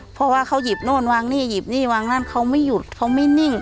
เพราะว่าเขาหยิบโน่นวางนี่หยิบนี่วางนั่นเขาไม่หยุดเขาไม่นิ่ง